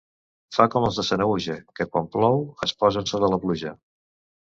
Fer com els de Sanaüja, que, quan plou, es posen sota la pluja.